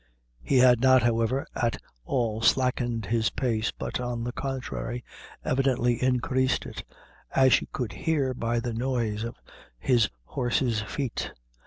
He had not, however, at all slackened his pace, but, on the contrary, evidently increased it, as she could hear by the noise of his horse's feet.